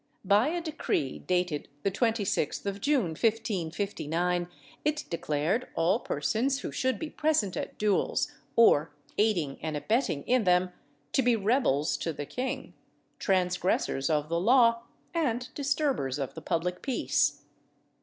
By a decree dated the 26th of June 1559, it declared all persons who should be present at duels, or aiding and abetting in them, to be rebels to the king, transgressors of the law, and disturbers of the public peace.